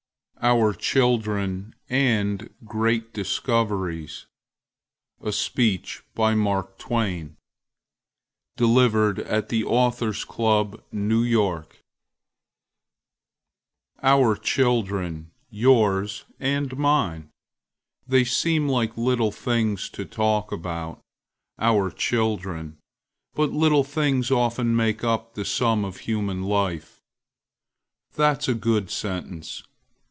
OUR CHILDREN AND GREAT DISCOVERIES DELIVERED AT THE AUTHORS' CLUB, NEW YORK Our childrenâyoursâandâmine. They seem like little things to talk aboutâour children, but little things often make up the sum of human lifeâthat's a good sentence.